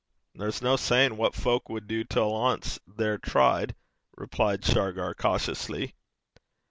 'There's no sayin' what fowk wad du till ance they're tried,' returned Shargar, cautiously.